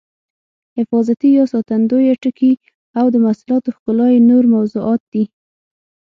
حفاظتي یا ساتندویه ټکي او د محصولاتو ښکلا یې نور موضوعات دي.